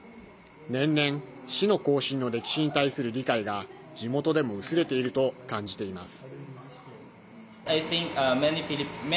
年々、死の行進の歴史に対する理解が地元でも薄れていると感じています。